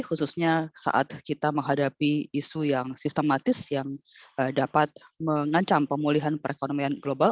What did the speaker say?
khususnya saat kita menghadapi isu yang sistematis yang dapat mengancam pemulihan perekonomian global